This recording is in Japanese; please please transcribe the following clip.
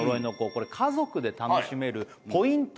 これ家族で楽しめるポイント